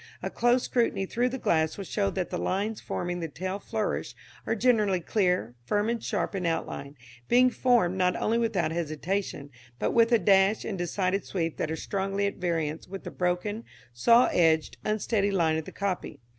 A close scrutiny through the glass will show that the lines forming the tail flourish are generally clear, firm and sharp in outline, being formed, not only without hesitation, but with a dash and decided sweep that are strongly at variance with the broken, saw edged, unsteady line of the copy.